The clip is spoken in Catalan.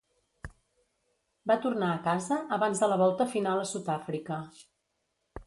Va tornar a casa abans de la volta final a Sud-àfrica.